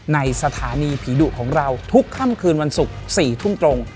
สถานีผีดุของเราทุกค่ำคืนวันศุกร์๔ทุ่มตรง